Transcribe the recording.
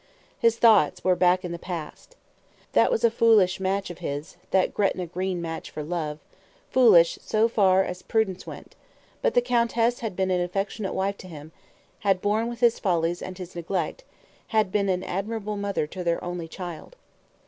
His thoughts were back in the past. That was a foolish match of his, that Gretna Green match for love, foolish so far as prudence went; but the countess had been an affectionate wife to him, had borne with his follies and his neglect, had been an admirable mother to their only child.